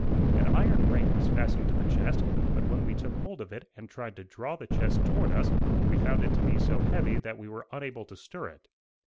An iron ring was fastened to the chest, but when we took hold of it and tried to draw the chest toward us, we found it to be so heavy that we were unable to stir it.